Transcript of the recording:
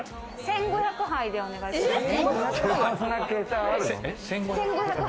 １５００杯でお願いします。